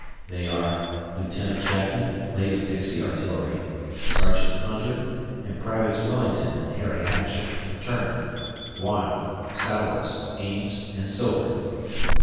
They are Lieutenant Chapman (late of Dixie Artillery), Sergt. Hunter and Privates Wellington and Harry Hatcher, Turner, Wild, Sowers, Ames, and Sibert.